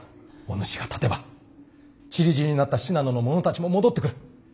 おぬしが立てばちりぢりになった信濃の者たちも戻ってくる。